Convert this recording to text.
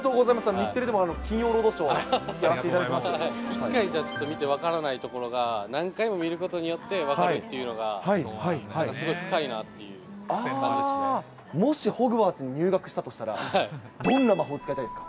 日テレでも金曜ロードショーでやらせてい一回見て分からないところが、何回も見ることによって、分かるっていうのが、すごい深いなってもしホグワーツに入学したとしたら、どんな魔法を使いたいですか？